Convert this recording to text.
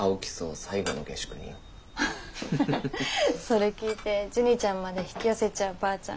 アハハそれ聞いてジュニちゃんまで引き寄せちゃうばあちゃん